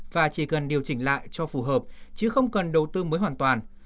và chỉ cần điều chỉnh lại cho phù hợp chứ không cần đầu tư mới hoàn toàn